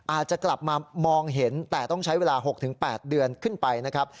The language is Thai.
อาจจะกลับมามองเห็นแต่ต้องใช้เวลา๖๘เดือนขึ้นไปนะครับ